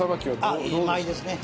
うまいですね。